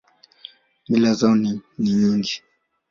Mila zao ni nyingi.